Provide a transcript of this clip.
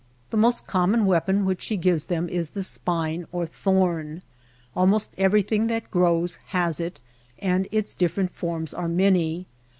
The most common weapon which she gives them is the spine or thorn. Almost everything that grows has it and its different forms are many.